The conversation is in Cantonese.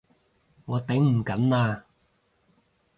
我頂唔緊喇！